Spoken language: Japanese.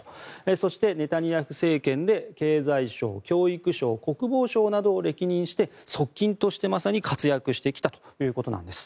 そして、ネタニヤフ政権で経済相、教育相、国防相などを歴任して側近として活躍してきたということなんです。